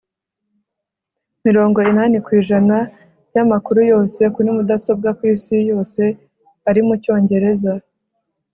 mirongo inani ku ijana yamakuru yose kuri mudasobwa kwisi yose ari mucyongereza